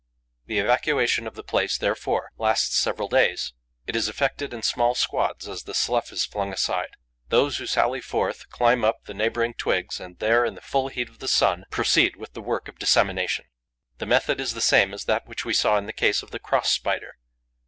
The evacuation of the place, therefore, lasts several days. It is effected in small squads, as the slough is flung aside. Those who sally forth climb up the neighbouring twigs and there, in the full heat of the sun, proceed with the work of dissemination. The method is the same as that which we saw in the case of the Cross Spider.